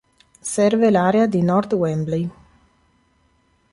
Serve l'area di North Wembley.